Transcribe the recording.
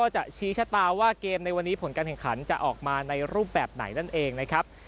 จะชี้ชะตาว่าเกมในวันนี้ผลการแข่งขันจะออกมาในรูปแบบไหนนั่นเองนะครับ